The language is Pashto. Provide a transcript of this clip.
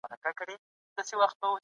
د نکاح وروسته ناوړه عرفونه بايد ورک سي